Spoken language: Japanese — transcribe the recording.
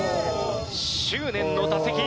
執念の打席。